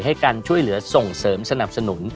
ให้การช่วยเหลือส่งเสริมสนับสนุน